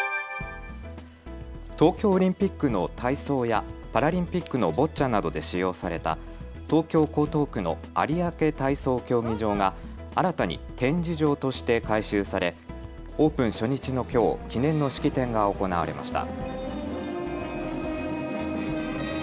東京オリンピックの体操やパラリンピックのボッチャなどで使用された東京江東区の有明体操競技場が新たに展示場として改修されオープン初日のきょう記念の式典が行われました。